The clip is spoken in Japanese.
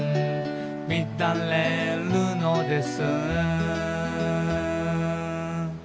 「みだれるのです」